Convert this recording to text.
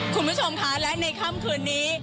คุณผู้ชมค่ะและในค่ำคืนนี้